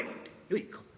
よいか。